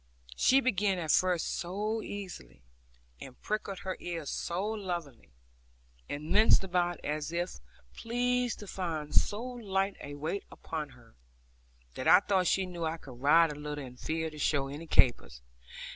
She began at first so easily, and pricked her ears so lovingly, and minced about as if pleased to find so light a weight upon her, that I thought she knew I could ride a little, and feared to show any capers.